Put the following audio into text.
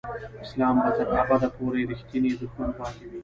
اسلام به تر ابده پورې رښتینی دښمن پاتې وي.